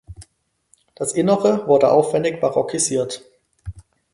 Das Innere wurde aufwändig barockisiert.